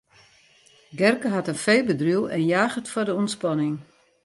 Gerke hat in feebedriuw en jaget foar de ûntspanning.